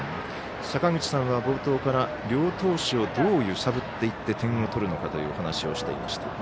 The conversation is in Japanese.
坂口さんは冒頭から両投手をどう揺さぶっていって点を取るのかというお話をしていました。